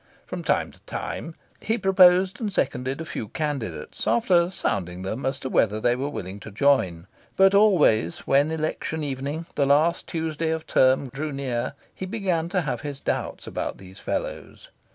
From time to time, he proposed and seconded a few candidates, after "sounding" them as to whether they were willing to join. But always, when election evening the last Tuesday of term drew near, he began to have his doubts about these fellows.